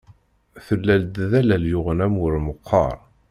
Tella-d d allal yuɣen amur meqqer.